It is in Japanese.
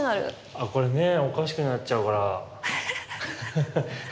あこれ目おかしくなっちゃうから。